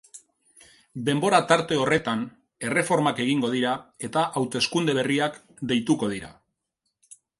Denbora tarte horretan, erreformak egingo dira eta hauteskunde berriak deituko dira.